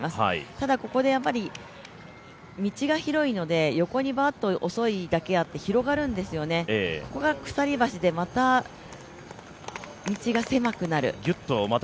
ただ、ここで道が広いので横にばーっと遅いだけあって、広がるんですよね、ここが鎖橋でまた道が狭くなる。